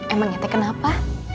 emangnya teh kenapa